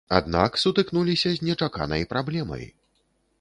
Аднак сутыкнуліся з нечаканай праблемай.